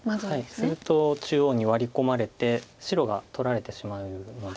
すると中央にワリ込まれて白が取られてしまうので。